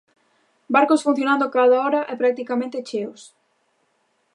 Barcos funcionando cada hora e practicamente cheos.